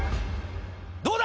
どうだ？